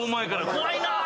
怖いなぁ！